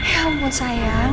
ya ampun sayang